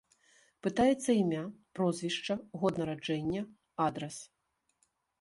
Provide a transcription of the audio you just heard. Пытаецца імя, прозвішча, год нараджэння, адрас.